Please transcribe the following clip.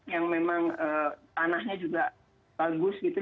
yang memang tanahnya juga bagus gitu